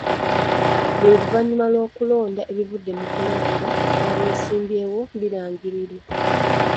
Buli luvannyuma lw'okulonda, ebivudde mu nkulonda kw'abeesimbyewo birangirirwa.